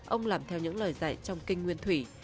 ông làm theo những lời dạy trong kinh nguyên thủy